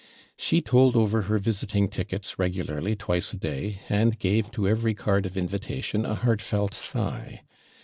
She told over her visiting tickets regularly twice a day, and gave to every card of invitation a heartfelt sigh.